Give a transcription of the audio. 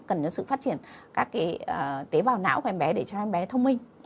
để phát triển các tế bào não của em bé để cho em bé thông minh